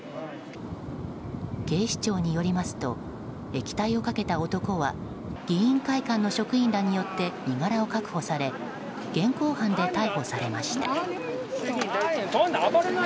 警視庁によりますと液体をかけた男は議員会館の職員らによって身柄を確保され現行犯で逮捕されました。